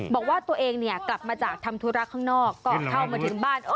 บอกว่าตัวเองเนี่ยกลับมาจากทำธุระข้างนอกก็เข้ามาถึงบ้าน